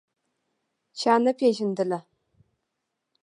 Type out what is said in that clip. چا نه پېژندله.